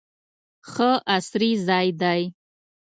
ښه عصري ځای دی.